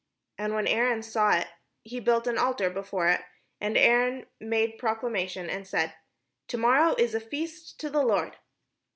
And when Aaron saw it, he built an altar before it; and Aaron made procla mation, and said: "To morrow is a feast to the Lord."